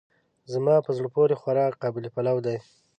زما په زړه پورې خوراک قابلي پلو دی.